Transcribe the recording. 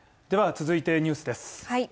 では続いてニュースです